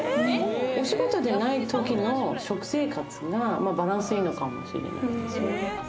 お仕事ではないときの食生活がバランスいいのかもしれないですね。